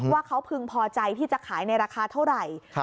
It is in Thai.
ว่าเขาพึงพอใจที่จะขายในราคาเท่าไหร่